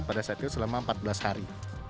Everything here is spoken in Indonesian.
pada saat itu selama empat belas hari